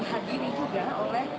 dihadiri juga oleh